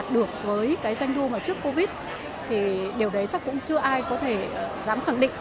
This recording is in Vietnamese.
doanh thu mà trước covid thì điều đấy chắc cũng chưa ai có thể dám khẳng định